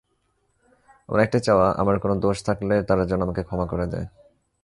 আমার একটাই চাওয়া, আমার কোনো দোষ থাকলে তারা যেন আমাকে ক্ষমা করে দেয়।